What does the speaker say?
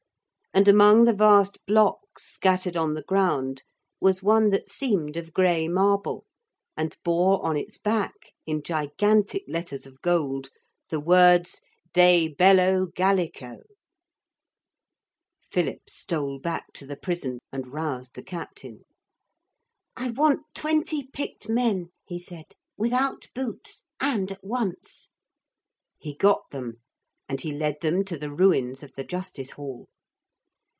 And among the vast blocks scattered on the ground was one that seemed of grey marble, and bore on its back in gigantic letters of gold the words De Bello Gallico. Philip stole back to the prison and roused the captain. 'I want twenty picked men,' he said, 'without boots and at once.' He got them, and he led them to the ruins of the Justice Hall.